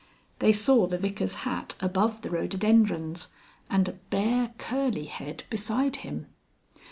They saw the Vicar's hat above the rhododendrons, and a bare curly head beside him.